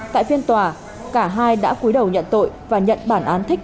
tại phiên tòa cả hai đã cuối đầu nhận tội và nhận bản án thích